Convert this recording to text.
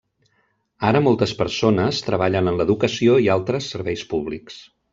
Ara moltes persones treballen en l'educació i altres serveis públics.